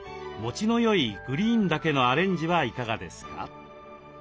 もちのよいグリーンだけのアレンジはいかがですか。